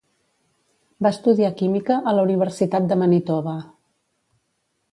Va estudiar química a la Universitat de Manitoba.